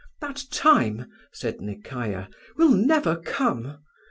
"That time," said Nekayah, "will never come.